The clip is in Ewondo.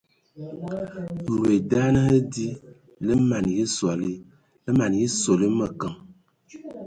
Loe daan hm di lǝ mana ya ma sole mǝkǝŋ.